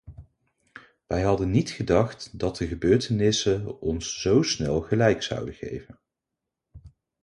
Wij hadden niet gedacht dat de gebeurtenissen ons zo snel gelijk zouden geven.